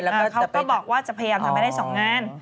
แล้วก็เขาก็บอกว่าจะพยายามทำให้ได้๒งาน